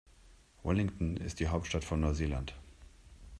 Wellington ist die Hauptstadt von Neuseeland.